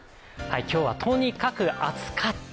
今日はとにかく暑かった。